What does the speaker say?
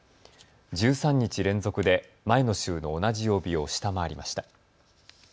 １３日連続で前の週の同じ曜日を下回りました。